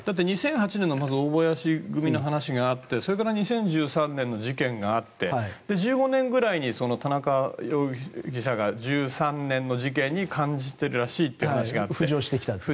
２００８年の大林組の話があってそれから２０１３年の話があって１５年ぐらいに田中容疑者が１３年の事件に関与しているらしいという話が浮上してきて